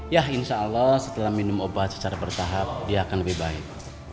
ya insya allah setelah minum obat secara bertahap dia akan lebih baik